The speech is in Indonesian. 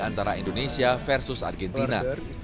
antara indonesia vs argentina